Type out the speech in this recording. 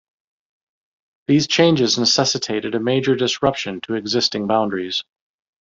These changes necessitated a major disruption to existing boundaries.